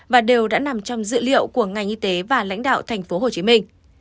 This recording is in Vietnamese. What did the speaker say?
và đều đã nằm trong dự liệu của ngành y tế và lãnh đạo thành phố hồ chí minh